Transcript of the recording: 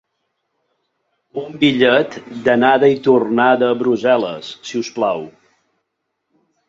Un bitllet d'anada i tornada a Brussel·les, si us plau.